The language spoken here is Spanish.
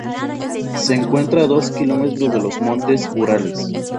Se encuentra a dos kilómetros de los Montes Urales.